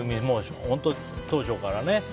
本当に当初からね。